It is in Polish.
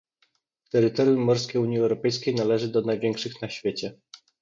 Terytorium morskie Unii Europejskiej należy do największych na świecie